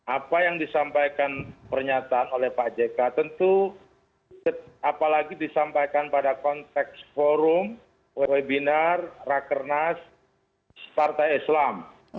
apa yang disampaikan pernyataan oleh pak jk tentu apalagi disampaikan pada konteks forum webinar rakernas partai islam